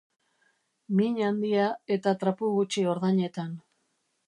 Min handia eta trapu gutxi ordainetan.